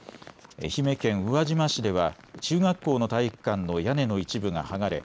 愛媛県宇和島市では中学校の体育館の屋根の一部が剥がれ